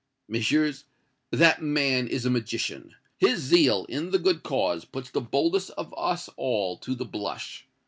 Messieurs, that man is a magician! His zeal in the good cause puts the boldest of us all to the blush.